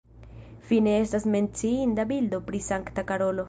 Fine estas menciinda bildo pri Sankta Karolo.